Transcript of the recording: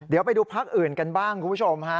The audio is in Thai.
เดี๋ยวไปดูพักอื่นกันบ้างคุณผู้ชมฮะ